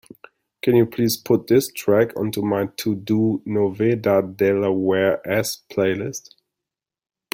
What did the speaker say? Can you please put this track onto my TODO NOVEDADelawareS playlist?